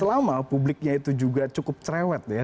selama publiknya itu juga cukup cerewet ya